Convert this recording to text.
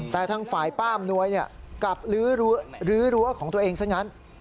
แต่ทางฝ่ายป้าอำนวยกลับลื้อรั้วของตัวเองซะงั้น